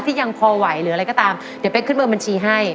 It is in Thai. ยังพอไหวหรืออะไรก็ตามเดี๋ยวเป๊กขึ้นเบอร์บัญชีให้